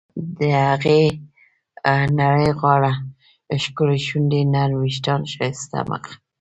د هغې نرۍ غاړه، ښکلې شونډې ، نرم ویښتان، ښایسته مخ..